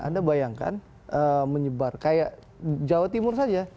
anda bayangkan menyebar kayak jawa timur saja